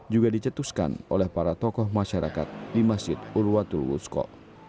juga dicetuskan oleh para tokoh masyarakat di masjid urwatul wusko